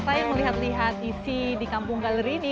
saya melihat lihat isi di kampung galeri ini